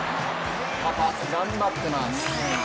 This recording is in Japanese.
パパ、頑張ってます。